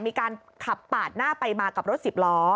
มีการขับปาดหน้าไปมากับรถสิบล้อ